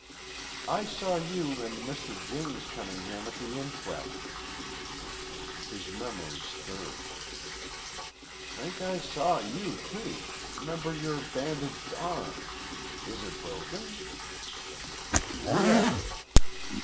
"I saw you and Mr. James Cunningham at the inquest." His memory stirred. "Think I saw you, too. 'Member your bandaged arm. Is it broken?" "Yes."